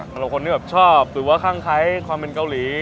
เป็นคนที่ชอบหรือว่าค่างค้ายความเป็นเกาหลี